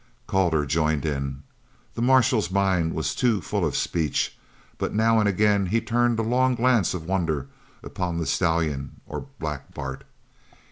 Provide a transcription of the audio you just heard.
Calder joined him. The marshal's mind was too full for speech, but now and again he turned a long glance of wonder upon the stallion or Black Bart.